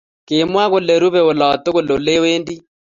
Kimwa kole rubee olatukul olewendi